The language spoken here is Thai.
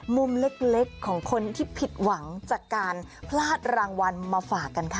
มุมเล็กของคนที่ผิดหวังจากการพลาดรางวัลมาฝากกันค่ะ